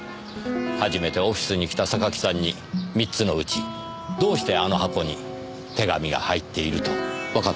初めてオフィスに来た榊さんに３つのうちどうしてあの箱に手紙が入っているとわかったのでしょうねえ？